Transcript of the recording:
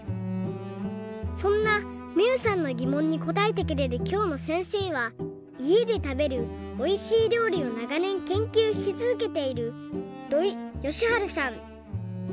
そんなみゆさんのぎもんにこたえてくれるきょうのせんせいはいえでたべるおいしいりょうりをながねんけんきゅうしつづけている土井善晴さん。